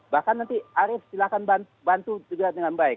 bahkan nanti arief silakan bantu juga dengan baik